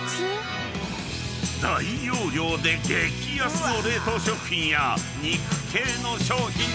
［大容量で激安の冷凍食品や肉系の商品に］